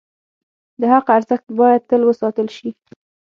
د حق ارزښت باید تل وساتل شي.